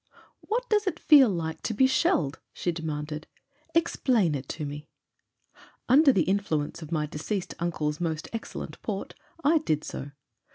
"What does it feel like to be shelled ?" she demanded. "Explain it to me." Under the influence of my deceased uncle's most excellent port I did so.